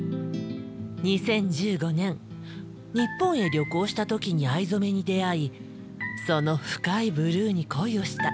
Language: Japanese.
２０１５年日本へ旅行した時に藍染めに出会いその深いブルーに恋をした。